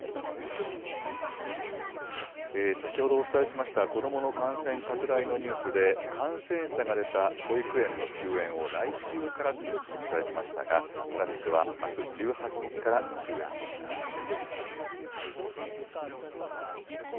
先ほどお伝えしました、子どもの感染拡大のニュースで、感染者が出た保育園の休園を来週からとお伝えしましたが、正しくはあす１８日から休園でした。